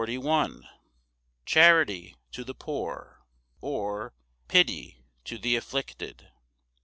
1 2 3. Charity to the poor; or, Pity to the afflicted.